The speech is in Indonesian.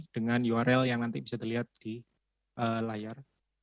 dengan urel yang nanti bisa dilihat di layar